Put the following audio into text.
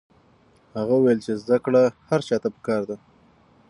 هغه وویل چې زده کړه هر چا ته پکار ده.